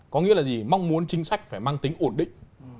có nghĩa là gì mong muốn chính sách phải mang tính ổn định